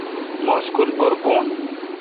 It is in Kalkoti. مہ سکول پر بھوں۔